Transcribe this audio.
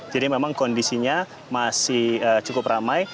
jadi memang kondisinya masih cukup ramai